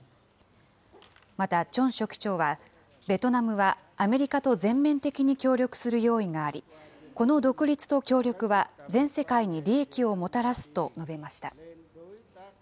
またチョン書記長は、ベトナムはアメリカと全面的に協力する用意があり、この独立と協力は全世界に利益をもたらすと述べました。